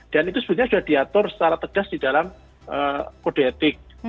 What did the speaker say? dan itu sebetulnya sudah diatur secara tegas di dalam kode etik